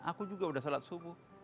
aku juga sudah shalat subuh